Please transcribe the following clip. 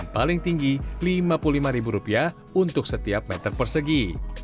paling tinggi rp lima puluh lima untuk setiap meter persegi